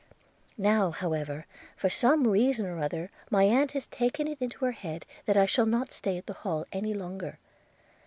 – Now, however, for some reason or other, my aunt has taken it into her head that I shall not stay at the Hall any longer.